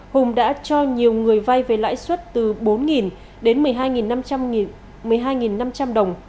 hùng đã cho nhiều người vay về lãi suất từ bốn đến một mươi hai năm trăm linh đồng